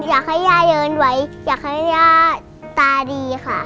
อยากให้ย่าเดินไว้อยากให้ย่าตาดีค่ะ